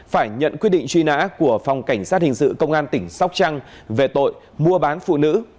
phải nhận quyết định truy nã của phòng cảnh sát hình sự công an tỉnh sóc trăng về tội mua bán phụ nữ